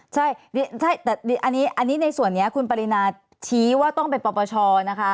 ใช่แต่อันนี้ในส่วนนี้คุณปรินาชี้ว่าต้องเป็นปปชนะคะ